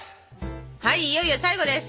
はいいよいよ最後です！